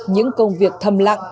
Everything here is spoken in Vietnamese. những công việc thầm lặng